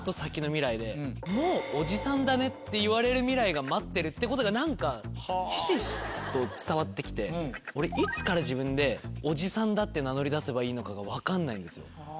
そしたら。って言われる未来が待ってるってことが何かひしひしと伝わって来て俺いつから自分でおじさんだって名乗りだせばいいのかが分かんないんですよ。